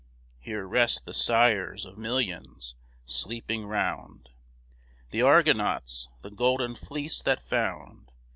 Here rest the sires of millions, sleeping round, The Argonauts, the golden fleece that found.